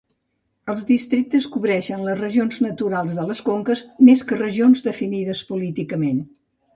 Els districtes cobreixen les regions naturals de les conques, més que regions definides políticament.